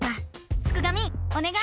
すくがミおねがい！